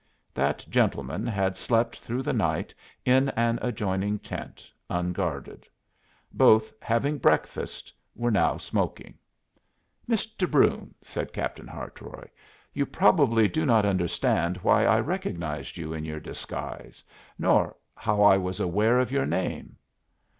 That gentleman had slept through the night in an adjoining tent, unguarded. Both, having breakfasted, were now smoking. "Mr. Brune," said Captain Hartroy, "you probably do not understand why I recognized you in your disguise, nor how I was aware of your name."